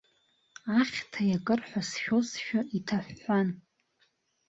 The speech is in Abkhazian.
Ахьҭа иакыр ҳәа сшәозшәа иҭаҳәҳәан.